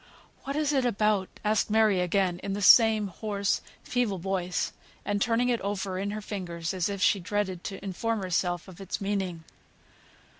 "What is it about?" asked Mary again, in the same hoarse, feeble voice, and turning it over in her fingers, as if she dreaded to inform herself of its meaning.